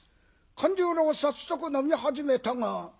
勘十郎早速飲み始めたが。